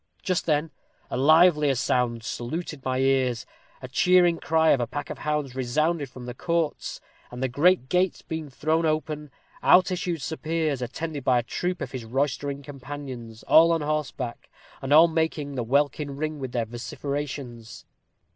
Just then a livelier sound saluted my ears. The cheering cry of a pack of hounds resounded from the courts, and the great gates being thrown open, out issued Sir Piers, attended by a troop of his roystering companions, all on horseback, and all making the welkin ring with their vociferations.